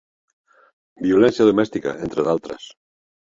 Violència domèstica, entre d'altres.